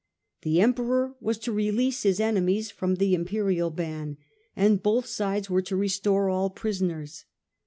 The Emperor was to release his enemies from the Imperial ban, and both sides were to restore all prisoners.